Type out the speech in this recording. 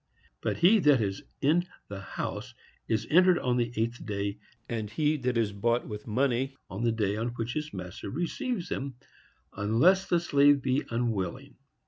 But he that is in the house is entered on the eighth day; and he that is bought with money, on the day on which his master receives him, unless the slave be unwilling.